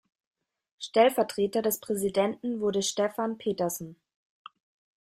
Stellvertreter des Präsidenten wurde Stefan Petersen.